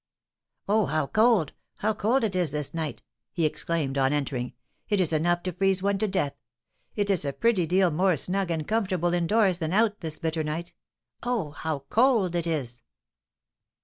"Oh, how cold! how cold it is this night!" exclaimed he, on entering; "it is enough to freeze one to death; it is a pretty deal more snug and comfortable in doors than out this bitter night. Oh, how cold it is!"